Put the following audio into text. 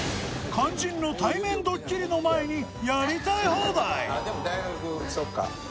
肝心の対面ドッキリの前にやりたい放題！